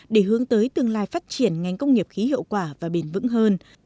để hướng tới tương lai phát triển ngành công nghiệp khí hiệu quả và bền vững hơn